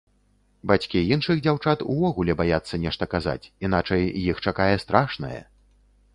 Бацькі іншых дзяўчат увогуле баяцца нешта казаць, іначай іх чакае страшнае.